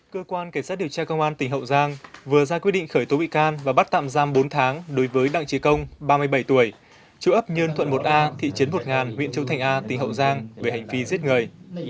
cơ quan cảnh sát điều tra công an tỉnh hậu giang vừa ra quyết định khởi tố bị can và bắt tạm giam bốn tháng đối với đặng trí công ba mươi bảy tuổi chú ấp nhơn thuận một a thị trấn một ngàn huyện châu thành a tỉnh hậu giang về hành vi giết người